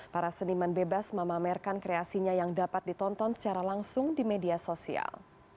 para seniman bebas memamerkan kreasinya yang dapat ditonton secara langsung di media sosial